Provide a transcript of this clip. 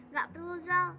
gak perlu zal